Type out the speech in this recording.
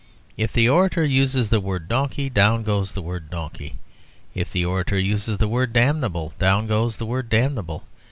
If the orator uses the word "donkey," down goes the word "donkey." If the orator uses the word "damnable," down goes the word "damnable."